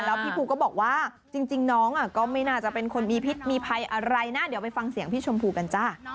แล้วพี่ภูก็บอกว่าจริงน้องก็ไม่น่าจะเป็นคนมีพิษมีภัยอะไรนะเดี๋ยวไปฟังเสียงพี่ชมพูกันจ้ะ